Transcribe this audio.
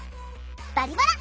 「バリバラ」